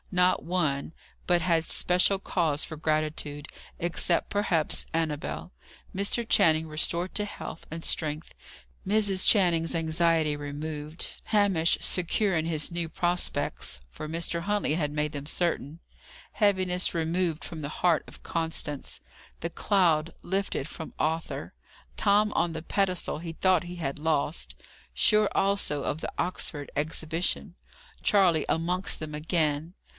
Not one, but had special cause for gratitude except, perhaps, Annabel. Mr. Channing restored to health and strength; Mrs. Channing's anxiety removed; Hamish secure in his new prospects for Mr. Huntley had made them certain; heaviness removed from the heart of Constance; the cloud lifted from Arthur; Tom on the pedestal he thought he had lost, sure also of the Oxford exhibition; Charley amongst them again!